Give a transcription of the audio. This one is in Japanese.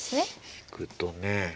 引くとね。